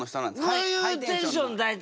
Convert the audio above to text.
こういうテンション大体。